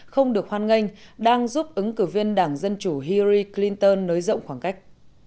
không được hoan nghênh đang giúp ứng cử viên đảng dân chủ hiry clinton nới rộng khoảng cách